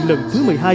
lần thứ một mươi hai